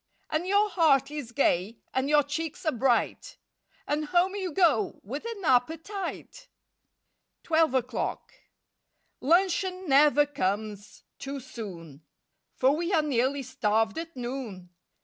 And your heart is gay and your cheeks are bright— And home you go with an appetite! 21 ELEVEN O'CLOCK 23 TWELVE O'CLOCK 1 UNCHEON never comes too soon, J Eor we are nearly starved at noon!